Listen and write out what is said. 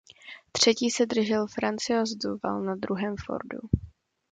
Třetí se držel Francois Duval na druhém Fordu.